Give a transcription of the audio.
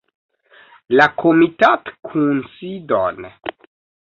La komitatkunsidon!